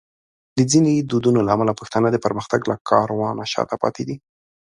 د ځینو دودونو له امله پښتانه د پرمختګ له کاروانه شاته پاتې دي.